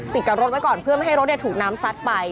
ติดกับรถไว้ก่อนเพื่อไม่ให้รถถูกน้ำซัดไป